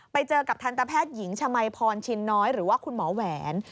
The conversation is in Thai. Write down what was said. ไปเจอกับทันตแพทย์หญิงชมัยพรชินน้อยหรือว่าคุณหมอแหวน